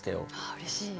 あうれしい。